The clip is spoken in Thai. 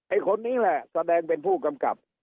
คนนี้แหละแสดงเป็นผู้กำกับ